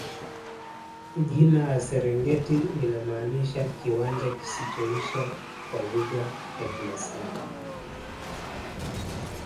jina la serengeti linamaanisha kiwanja kisichoisha kwa lugha ya kimaasai